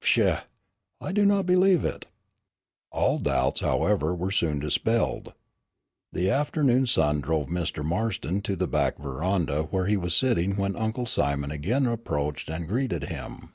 "Pshaw! I do not believe it." All doubts, however, were soon dispelled. The afternoon sun drove Mr. Marston to the back veranda where he was sitting when Uncle Simon again approached and greeted him.